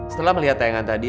setelah melihat tayangan tadi